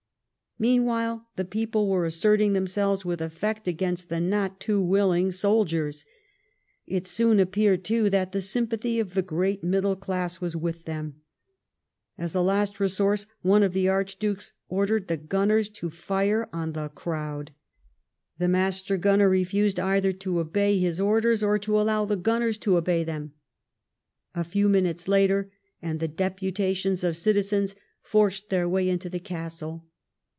Meanwhile, the people were asserting themselves with effect against the not too willing soldiers. It soon appeared, too, that the sympathies of the great middle class were with them. As a last resource, one of the Archdukes ordered the gunners to fire on the crowd. The master gunner refused either to obey his orders or to allow the gunners to obey them. A few minutes later, and the deputations of citizens forced their way into the castle.